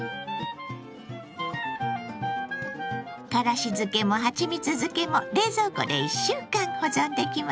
からし漬けもはちみつ漬けも冷蔵庫で１週間保存できます。